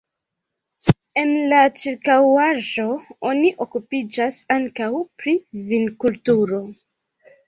En la ĉirkaŭaĵo oni okupiĝas ankaŭ pri vinkulturo.